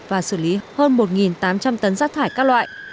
và xử lý hơn một tám trăm linh tấn rác thải các loại